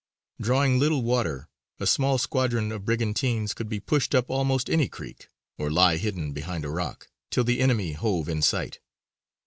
Drawing little water, a small squadron of brigantines could be pushed up almost any creek, or lie hidden behind a rock, till the enemy hove in sight.